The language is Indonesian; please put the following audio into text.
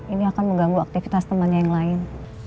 ini akan mengganggu aktivitas temannya yang lain